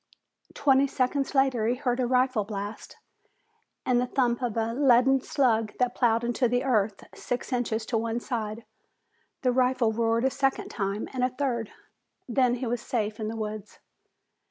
Twenty seconds later he heard a rifle blast, and the thump of a leaden slug that plowed into the earth six inches to one side. The rifle roared a second time, and a third. Then he was safe in the woods.